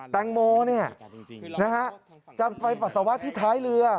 แตงโมจะไปปัสสาวะที่ท้ายเรือ